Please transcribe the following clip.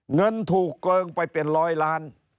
เงินถูกเกินไปเป็นร้อยล้าน